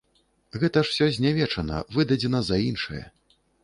Гэта ж усё знявечана, выдадзена за іншае.